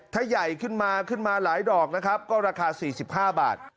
ถ้าใหญ่ขึ้นมาขึ้นมาหลายดอกนะครับก็ราคา๔๕บาท